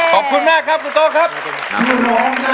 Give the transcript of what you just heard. ขอบคุณมากครับคุณโต๊ะครับ